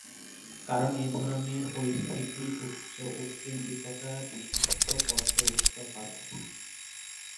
কারণ এ ধরনের পরিস্থিতি উচ্চ উৎকেন্দ্রিকতা বিশিষ্ট পর্যায়ে উত্থিত হওয়ার কথা।